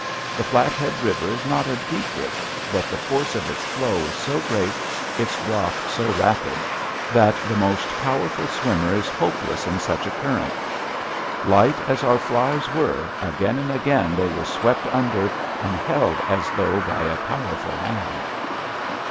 The Flathead River is not a deep river; but the force of its flow is so great, its drop so rapid, that the most powerful swimmer is hopeless in such a current. Light as our flies were, again and again they were swept under and held as though by a powerful hand.